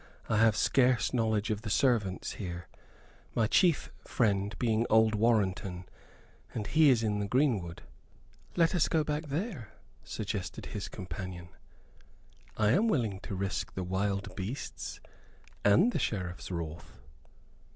I have scarce knowledge of the servants here, my chief friend being old Warrenton, and he is in the greenwood." "Let us go back there," suggested his companion; "I am willing to risk the wild beasts and the Sheriffs wrath."